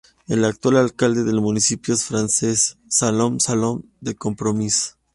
El actual alcalde del municipio es Francesc Salom Salom, de Compromís.